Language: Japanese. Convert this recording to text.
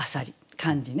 漢字ね。